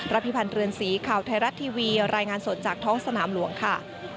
พิพันธ์เรือนสีข่าวไทยรัฐทีวีรายงานสดจากท้องสนามหลวงค่ะ